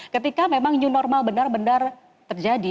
ketika memang new normal benar benar terjadi